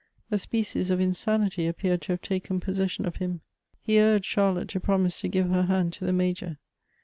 A species of insanity appeared to have taken possession of him. He urged Charlotte to promise to give her hand to the Major.